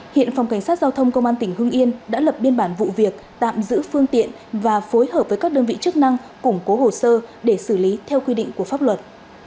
hiện phòng cảnh sát giao thông công an tỉnh hương yên đã lập biên bản vụ việc tạm giữ phương tiện và phối hợp với các đơn vị chức năng củng cố hồ sơ để xử lý theo quy định của pháp luật